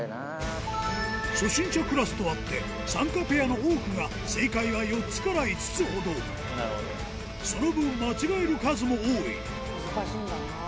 初心者クラスとあって参加ペアの多くが正解は４つから５つほどその分間違える数も多い難しいんだな。